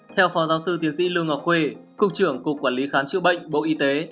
theo phó giáo sư tiến sĩ lương ngọc quê cục trưởng cục quản lý khám chữa bệnh bộ y tế